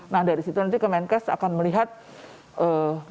nah dari situ nanti kemenkes akan melihat berapa sih rasio kontak tracer itu